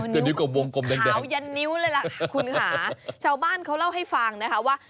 แต่นิ้วกับวงกลมแดงคุณค่ะชาวบ้านเขาเล่าให้ฟังนะคะว่า